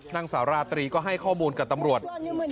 นางสาวราตรีก็ให้ข้อมูลกับตำรวจ